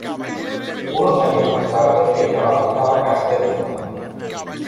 Unos años más tarde, el trabajo estaba casi terminado.